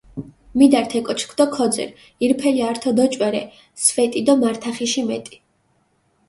მიდართ ე კოჩქჷ დო ქოძირჷ, ირფელი ართო დოჭვერე სვეტი დო მართახიში მეტი